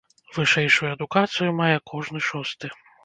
Вышэйшую адукацыю мае кожны шосты.